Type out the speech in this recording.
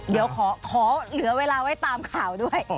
เดี๋ยวขอเหลือเวลาไว้ตามข่าวด้วย